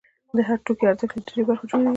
د هر توکي ارزښت له درېیو برخو جوړېږي